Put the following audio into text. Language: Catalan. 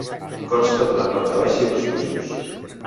Consta d'una planta baixa i dos pisos.